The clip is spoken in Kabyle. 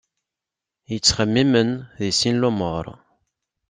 Yettxemmimen deg sin lumuṛ.